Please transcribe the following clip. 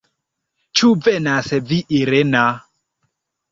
Ĉu venas vi, Irena?